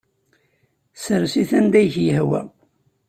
Sers-it anda i k-yehwa.